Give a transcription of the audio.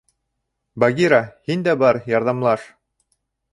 Багира, һиндә бар, ярҙамлаш.